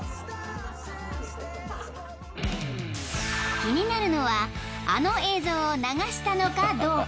［気になるのはあの映像を流したのかどうか？］